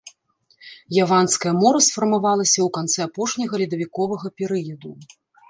Яванскае мора сфармавалася ў канцы апошняга ледавіковага перыяду.